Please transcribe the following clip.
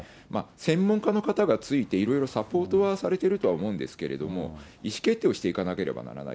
専門家の方がついていろいろサポートはされているとは思うんですけれども、意思決定をしていかなければならない。